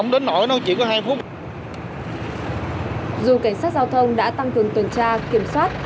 dù cảnh sát giao thông đã tăng cường tuần tra kiểm soát